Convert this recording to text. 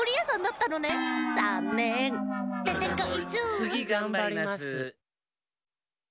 つぎがんばります。